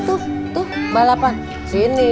tuh tuh balapan sini